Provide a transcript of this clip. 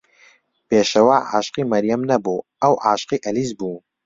پێشەوا عاشقی مەریەم نەبوو، ئەو عاشقی ئەلیس بوو.